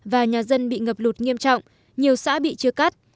và nhà dân bị ngập lụt nghiêm trọng nhiều xã bị chia cắt